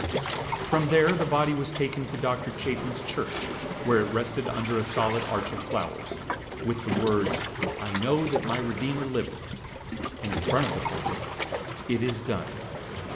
From there the body was taken to Dr. Chapin's church, where it rested under a solid arch of flowers, with the words, "I know that my Redeemer liveth"; and in front of the pulpit, "It is done."